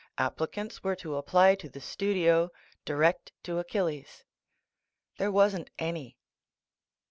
Applicants were to apply to the studio, direct to Achilles. There wasn't any.